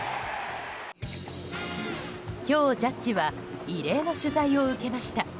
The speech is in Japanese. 今日、ジャッジは異例の取材を受けました。